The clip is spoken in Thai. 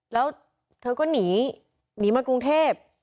แล้วเธอก็หนีหนีมากรุงเทพ